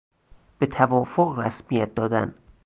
به توافق رسمیت دادن